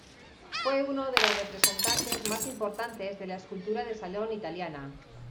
Fue uno de los representantes más importantes de la escultura de salón italiana.